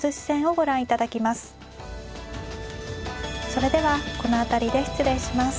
それではこの辺りで失礼します。